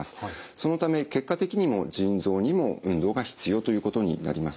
そのため結果的にも腎臓にも運動が必要ということになります。